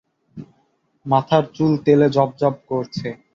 মাথার চুল তেলে জবজব করছে।